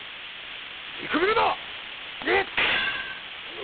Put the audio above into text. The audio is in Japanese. みくびるな！